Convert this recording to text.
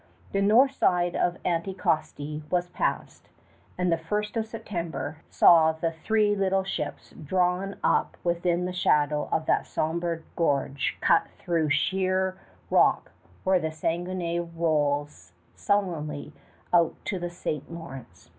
The north side of Anticosti was passed, and the first of September saw the three little ships drawn up within the shadow of that somber gorge cut through sheer rock where the Saguenay rolls sullenly out to the St. Lawrence.